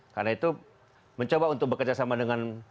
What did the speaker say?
karena itu mencoba untuk bekerjasama dengan